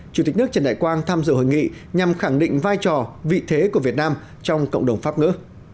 chủ tịch nước trần đại quang tham dự hội nghị nhằm khẳng định vai trò vị thế của việt nam trong cộng đồng pháp ngữ